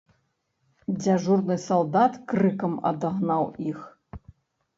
Дзяжурны салдат крыкам адагнаў іх.